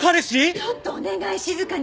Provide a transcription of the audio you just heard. ちょっとお願い静かに！